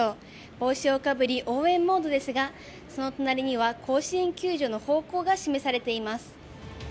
帽子をかぶり応援モードですが、その隣には甲子園球場の方向が示されています。